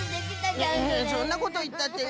そんなこといったって。